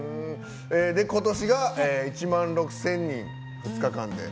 今年が１万６０００人２日間で。